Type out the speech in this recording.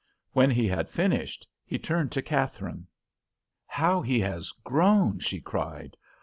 When he had finished he turned to Katharine. "How he has grown!" she cried.